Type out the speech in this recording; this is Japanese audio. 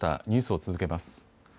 ニュースを続けます。